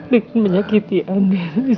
lik menyakiti andai